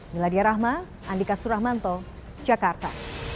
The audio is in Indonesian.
miladia rahma andika suramanto jakarta